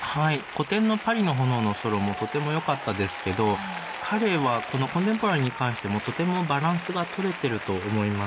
古典の「パリの炎」のソロもとてもよかったですけど彼はこのコンテンポラリーに関してもとてもバランスがとれてると思います。